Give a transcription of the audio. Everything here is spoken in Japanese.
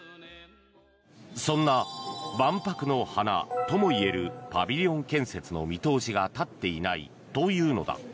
そんな万博の華ともいえるパビリオン建設の見通しが立っていないというのだ。